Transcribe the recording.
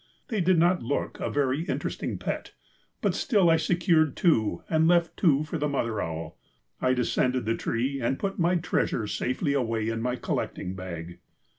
They did not look a very interesting pet, but still I secured two and left two for the mother owl. I descended the tree and put my treasure safely away in my collecting bag.